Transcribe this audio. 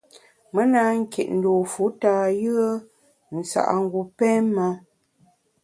Me na nkit dû fu tâ yùe nsa’ngu pém me.